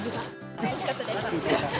楽しかったです。